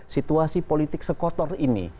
situasi politik sekotor ini